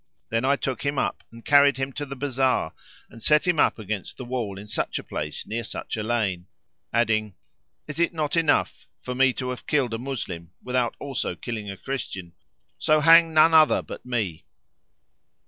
Then I took him up and carried him to the bazar and set him up against the wall in such a place near such a lane;" adding, "Is it not enough for me to have killed a Moslem without also killing a Christian? So hang none other but me."